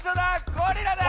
ゴリラだ！